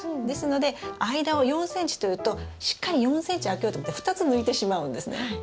ですので間を４ｃｍというとしっかり４ｃｍ空けようと思って２つ抜いてしまうんですね。